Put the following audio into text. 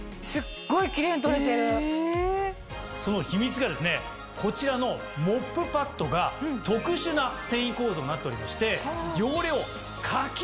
その秘密がですねこちらのモップパッドが。になっておりまして。